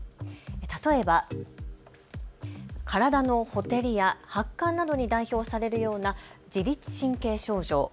例えば体のほてりや発汗などに代表されるような自律神経症状。